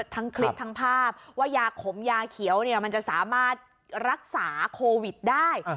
ทั้งคลิปทั้งภาพว่ายาขมยาเขียวเนี่ยมันจะสามารถรักษาโควิดได้